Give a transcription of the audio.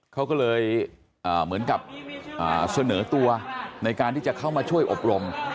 เขาก็เลยเหมือนกับเสนอตัวในการที่จะเข้ามาช่วยอบรม